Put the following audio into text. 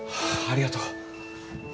ありがとう。